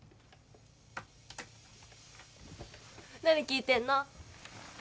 何聴いてんの？